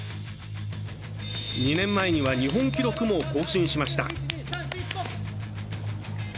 ２年前には日本記録も更新しました。